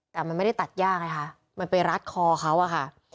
แต่มันไม่ได้ตัดย่าไงคะมันไปรัดคอเขาอะค่ะ